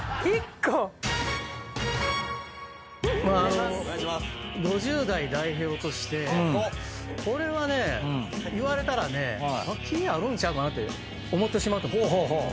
まあ５０代代表としてこれはね言われたらね気あるんちゃうかなって思ってしまうと思う。